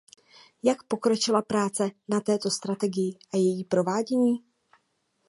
Jak pokročila práce na této strategii a její provádění?